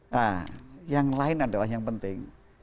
nah yang lain adalah yang penting